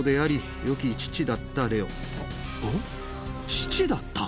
「父だった」？